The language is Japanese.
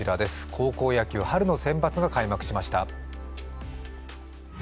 高校野球、春の選抜が開幕しました。